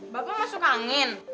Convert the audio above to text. bakal masuk angin